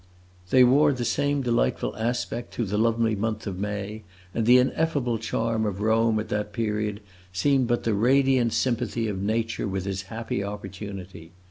They wore the same delightful aspect through the lovely month of May, and the ineffable charm of Rome at that period seemed but the radiant sympathy of nature with his happy opportunity.